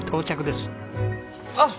あっ！